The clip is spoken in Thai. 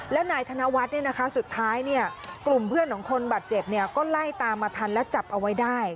และนายธนวัฒน์เนี่ยนะคะสุดท้ายเนี่ยกลุ่มเพื่อนของคนบาดเจ็บเนี่ยก็ไล่ตามมาทันและจับเอาไว้ได้